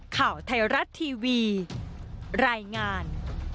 ข่าวไทยรัฐทีวีรายงาน